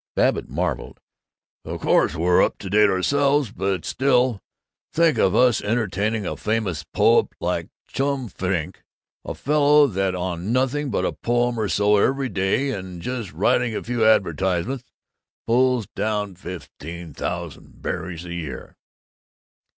Babbitt marveled, "Of course we're up to date ourselves, but still, think of us entertaining a famous poet like Chum Frink, a fellow that on nothing but a poem or so every day and just writing a few advertisements pulls down fifteen thousand berries a year!"